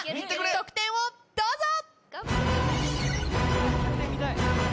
得点をどうぞ！